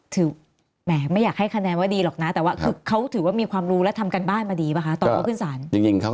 แหมไม่อยากให้คะแนนว่าดีหรอกนะแต่ว่าคือเขาถือว่ามีความรู้และทำการบ้านมาดีป่ะคะตอนเขาขึ้นศาล